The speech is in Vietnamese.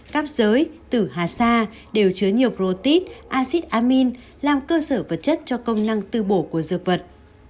các giới tử hà sa đều chứa nhiều protein acid amine làm cơ sở vật chất cho công năng tư bổ của dược vật